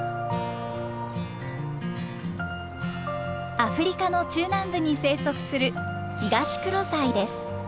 アフリカの中南部に生息するヒガシクロサイです。